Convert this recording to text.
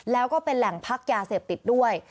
แล้วก็เป็นแหล่งพักยาเสพติดด้วย